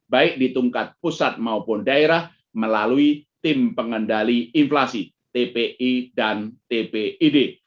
baik di tingkat pusat maupun daerah melalui tim pengendali inflasi tpi dan tpid